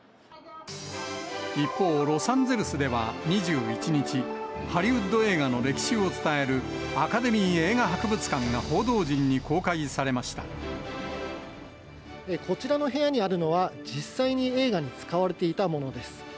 一方、ロサンゼルスでは２１日、ハリウッド映画の歴史を伝えるアカデミー映画博物館が報道陣に公こちらの部屋にあるのは、実際に映画に使われていたものです。